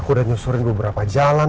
udah nyusurin beberapa jalan